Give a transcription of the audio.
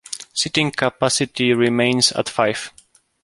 Seating capacity remains at five.